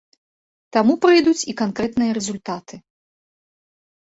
Таму прыйдуць і канкрэтныя рэзультаты.